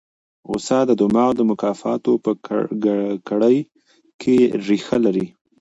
غوسه د دماغ د مکافاتو په کړۍ کې ریښه لري.